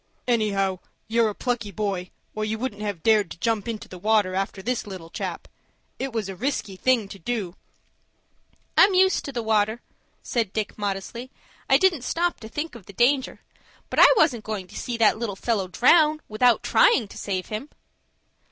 "Anyhow you're a plucky boy, or you wouldn't have dared to jump into the water after this little chap. It was a risky thing to do." "I'm used to the water," said Dick, modestly. "I didn't stop to think of the danger, but I wasn't going to see that little fellow drown without tryin' to save him."